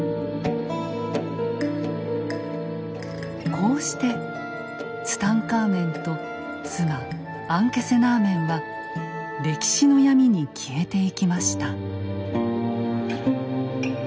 こうしてツタンカーメンと妻・アンケセナーメンは歴史の闇に消えていきました。